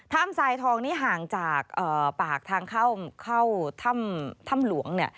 ทรายทองนี้ห่างจากปากทางเข้าถ้ำหลวง